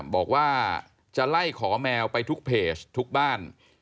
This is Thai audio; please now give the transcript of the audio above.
บอกว่าจะไล่ขอแมวไปทุกเพจทุกบ้าน